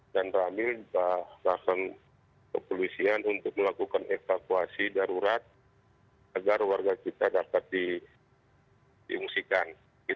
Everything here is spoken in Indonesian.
dan ramil juga langsung kepolisian untuk melakukan evakuasi darurat agar warga kita dapat diungsikan